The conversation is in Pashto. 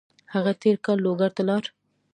هغه تېر کال لوګر ته لاړ.